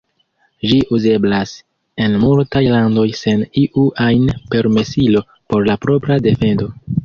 Ĝi uzeblas en multaj landoj sen iu ajn permesilo por la propra defendo.